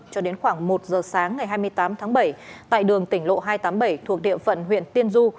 cho đến khoảng một giờ sáng ngày hai mươi tám tháng bảy tại đường tỉnh lộ hai trăm tám mươi bảy thuộc địa phận huyện tiên du